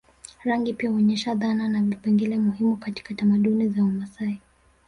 Rangi pia huonyesha dhana na vipengele muhimu katika tamaduni za Wamasai